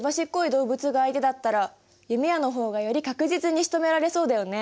動物が相手だったら弓矢の方がより確実にしとめられそうだよね。